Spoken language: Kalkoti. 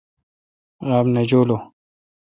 غاب نہ جولوں۔